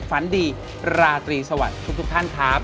ฝันดีราตรีสวัสดีทุกท่านครับ